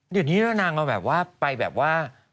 เดี๋ยวนี้แล้วนานก็ไปแบบว่า